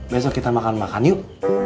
besok kita makan makan yuk